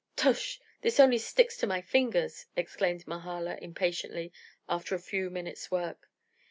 "Tush! this only sticks to my fingers!" exclaimed Mahala, impatiently, after a few minutes' work.